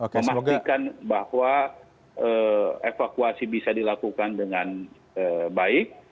memastikan bahwa evakuasi bisa dilakukan dengan baik